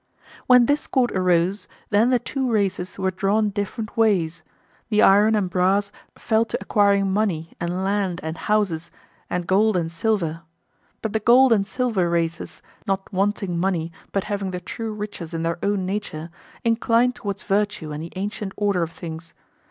When discord arose, then the two races were drawn different ways: the iron and brass fell to acquiring money and land and houses and gold and silver; but the gold and silver races, not wanting money but having the true riches in their own nature, inclined towards virtue and the ancient order of things.